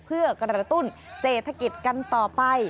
เพื่อกระตุ้นเศรษฐกิจกันต่อไป